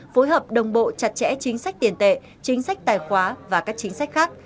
phối hợp đồng bộ chặt chẽ chính sách tiền tệ chính sách tài khoá và các chính sách khác